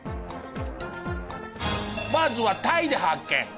まずはタイで発見。